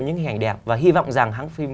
những hình ảnh đẹp và hy vọng rằng hãng phim